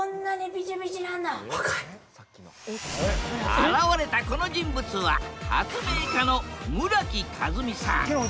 現れたこの人物は発明家の村木風海さん。